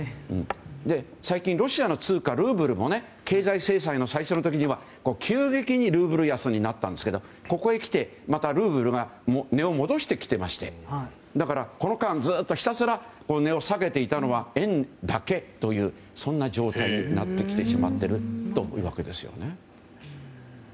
最近、ロシアの通貨ルーブルも経済制裁の最初の時には急激にルーブル安になったんですけどここへきて、またルーブルが値を戻してきていましてだから、この間ひたすら値を下げていたのは円だけという状態になってきてしまっているんです。